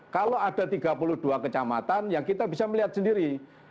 kalau ada tiga puluh dua kecamatan ya kita bisa melihat sendiri